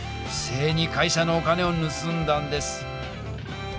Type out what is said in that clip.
正に会社のお金をぬすんだんです。